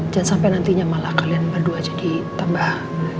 jangan sampai nantinya malah kalian berdua jadi tambah